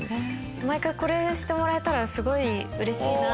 毎回これしてもらえたらすごいうれしいなって思いました。